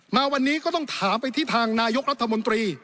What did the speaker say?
มาวันนี้ก็ต้องถามไปที่ทางนายกรัฐมนตรี